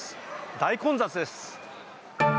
大混雑です。